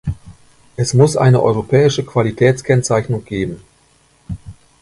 Es muss eine europäische Qualitätskennzeichnung geben.